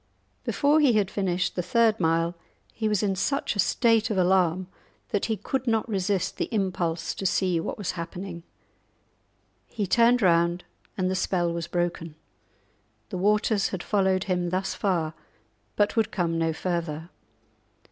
Before he had finished the third mile he was in such a state of alarm that he could not resist the impulse to see what was happening. He turned round, and the spell was broken; the waters had followed him thus far, but would come no further.